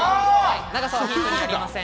長さはヒントになりません。